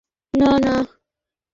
হ্যাঁ, নানা।